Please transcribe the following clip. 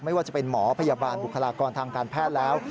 ไม่ว่าจะเป็นหมอพยาบาลบุคลากรทางการแพทย์แล้ว